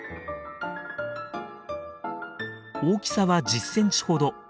大きさは１０センチほど。